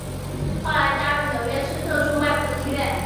后来加入纽约市特殊外科医院。